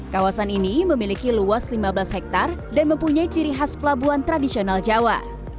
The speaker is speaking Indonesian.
kawasan ini memiliki luas lima belas hektare dan mempunyai ciri khas pelabuhan tradisional jawa